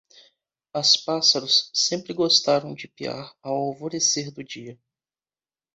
as pássaros sempre gostaram de piar ao alvorecer do dia